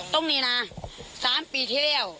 ตรงนี้นะ๓ปีที่แล้ว